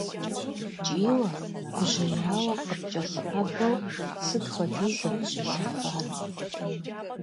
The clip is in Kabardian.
КӀийуэ, гужьеяуэ къыткӀэлъыӀэбэу сыт хуэдиз абы щӀилъэфар!